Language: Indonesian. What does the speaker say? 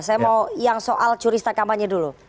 saya mau yang soal curi star kampanye dulu